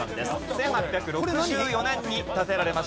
１８６４年に建てられました。